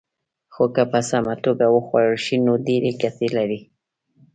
خو که په سمه توګه وخوړل شي، نو ډېرې ګټې لري.